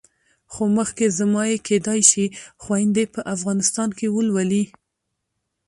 خو مخکې زما یې کېدای شي خویندې په افغانستان کې ولولي.